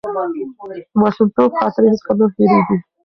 د ماشومتوب خاطرې هیڅکله نه هېرېږي.